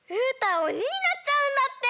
おにになっちゃうんだって！